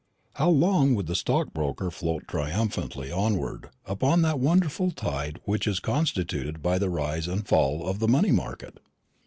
How long would the stockbroker float triumphantly onward upon that wonderful tide which is constituted by the rise and fall of the money market?